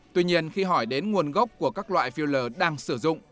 tuy nhiên khi hỏi đến nguồn gốc của các loại phiêu lờ đang sử dụng